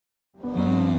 うん。